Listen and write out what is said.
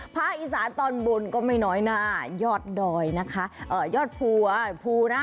ภาคอีสานตอนบนก็ไม่น้อยหน้ายอดดอยนะคะเอ่อยอดภูนะ